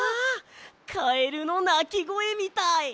カエルのなきごえみたい！